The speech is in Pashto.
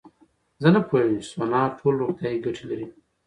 زه نه پوهېږم چې سونا ټول روغتیایي ګټې لري.